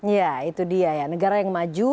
ya itu dia ya negara yang maju